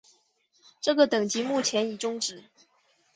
这个等级目前已终止。